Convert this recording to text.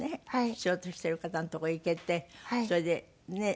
必要としてる方のとこへ行けてそれでねえ